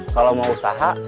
kalau mau usaha